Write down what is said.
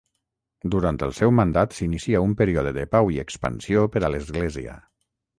Durant el seu mandat s'inicia un període de pau i expansió per a l'Església.